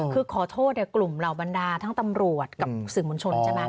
คือขอโทษกลุ่มเหล่าบรรดาทั้งตำรวจกับสื่อมวลชนใช่ไหม